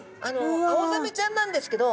アオザメちゃんなんですけど。